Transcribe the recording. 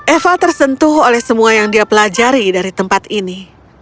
eva tersentuh oleh semua yang dia pelajari dari tempat ini